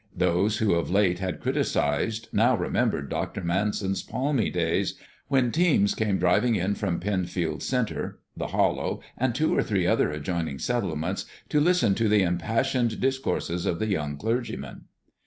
Those who of late had criticised now remembered Dr. Manson's palmy days, when teams came driving in from Penfield Center, "The Hollow," and two or three other adjoining settlements, to listen to the impassioned discourses of the young clergyman.